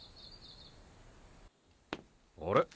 あれ？